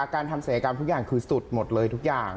การทำศัยกรรมทุกอย่างคือสุดหมดเลยทุกอย่าง